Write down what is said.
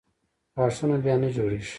غاښونه بیا نه جوړېږي.